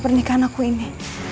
pernikahan aku ini